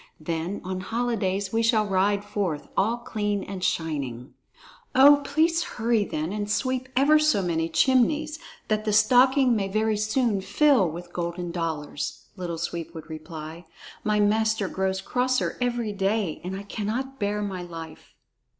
Then on holidays we shall both ride forth, all clean and shining." "Oh, please hurry then, and sweep ever so many chimneys, that the stocking may very soon fill with golden dollars!" Little Sweep would reply. "My master grows crosser every day, and I cannot bear my life."